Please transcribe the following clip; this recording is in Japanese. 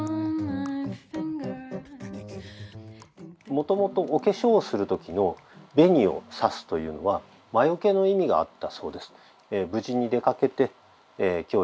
もともとお化粧をする時の「紅をさす」というのは魔よけの意味があったそうです。